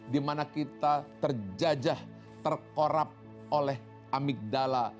dimana kita terjajah terkorap oleh amigdala